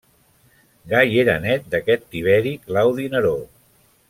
Gai era nét d'aquest Tiberi Claudi Neró.